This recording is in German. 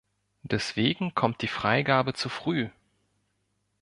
Deswegen kommt die Freigabe zu früh!